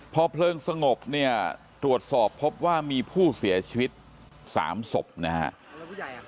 พอเพลิงสงบเนี่ยตรวจสอบพบว่ามีผู้เสียชีวิต๓ศพนะครับ